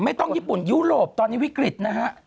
ญี่ปุ่นยุโรปตอนนี้วิกฤตนะฮะ